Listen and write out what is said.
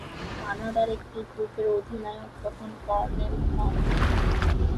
কানাডার একটি গ্রুপের অধিনায়ক তখন কর্নেল হন।